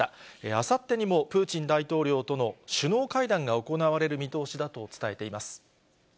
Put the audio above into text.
あさってにもプーチン大統領との首脳会談が行われる見通しだと伝えています。